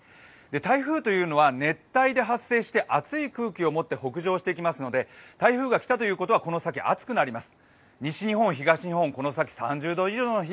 台風というのは熱帯で発生して熱い空気を持って北上してきますので台風が来たということは、この先、暑くなります。